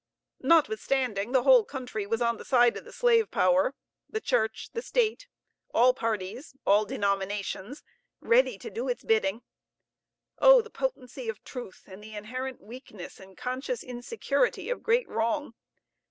Notwithstanding, the whole country was on the side of the slave power the Church, the State, all parties, all denominations, ready to do its bidding! O the potency of truth, and the inherent weakness and conscious insecurity of great wrong!